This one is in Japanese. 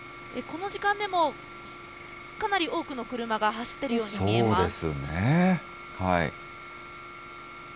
この時間でも、かなり多くの車が走っているように見えます。